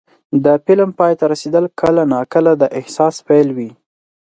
د فلم پای ته رسېدل کله ناکله د احساس پیل وي.